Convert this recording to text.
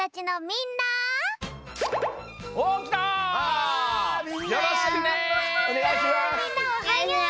みんなおはよう！